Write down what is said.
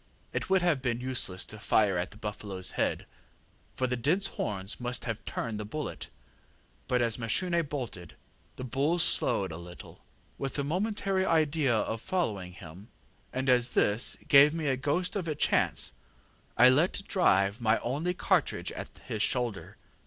It would have been useless to fire at the buffaloŌĆÖs head, for the dense horns must have turned the bullet; but as Mashune bolted, the bull slewed a little, with the momentary idea of following him, and as this gave me a ghost of a chance, I let drive my only cartridge at his shoulder.